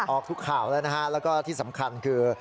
ออกทุกข่าวแล้วนะฮะแล้วก็ที่สำคัญคือ